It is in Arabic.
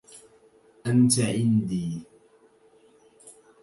أنتِ عندي